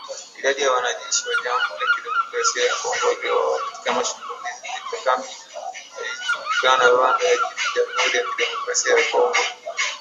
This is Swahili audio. Idadi ya wanajeshi wa Jamuhuri ya kidemokrasia ya Kongo waliouawa katika shambulizi dhidi ya kambi zhaijajulikana Rwanda yajibu Jamuhuri ya kidemokrasia ya Kongo